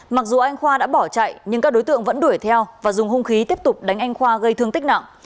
mặc dù anh khoa đã bỏ chạy nhưng các đối tượng vẫn đuổi theo và dùng hung khí tiếp tục đánh anh khoa gây thương tích nặng